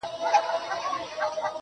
گراني فريادي دي بـېــگـــاه وويل.